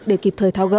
để kịp thời thao gỡ